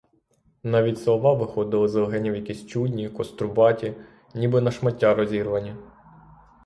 Навіть слова виходили з легенів якісь чудні, кострубаті, ніби на шмаття розірвані.